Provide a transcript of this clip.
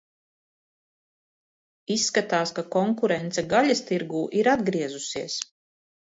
Izskatās, ka konkurence gaļas tirgū ir atgriezusies!